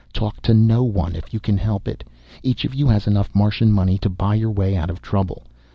Talk to no one if you can help it. Each of you has enough Martian money to buy your way out of trouble.